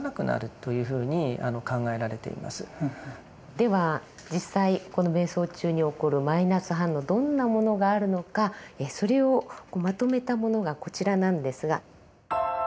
では実際この瞑想中に起こるマイナス反応どんなものがあるのかそれをまとめたものがこちらなんですが。